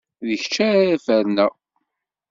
D kečč ara ferneɣ!